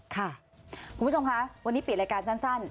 คุณผู้ชมคะวันนี้ปิดรายการสั้น